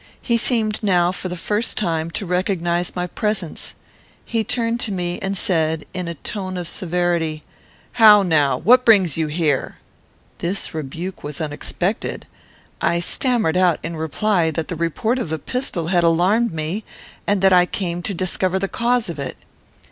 He seemed now, for the first time, to recognise my presence. He turned to me, and said, in a tone of severity, "How now? What brings you here?" This rebuke was unexpected. I stammered out, in reply, that the report of the pistol had alarmed me, and that I came to discover the cause of it.